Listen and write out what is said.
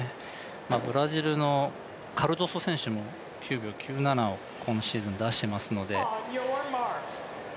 ブラジルのカルドソ選手も９秒９７を今シーズン出していますので。